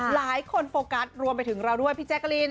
โฟกัสรวมไปถึงเราด้วยพี่แจ๊กกะลีน